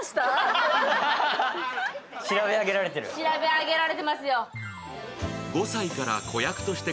調べ上げられてますよ。